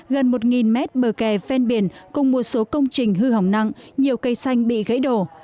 gần một mét bờ kè ven biển cùng một số công trình hư hỏng nặng nhiều cây xanh bị gãy đổ